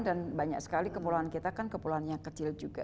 dan banyak sekali kepulauan kita kan kepulauannya kecil juga